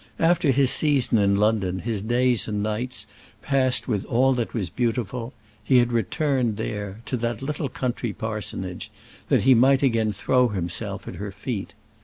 After his season in London, his days and nights passed with all that was beautiful, he had returned there, to that little country parsonage, that he might again throw himself at her feet.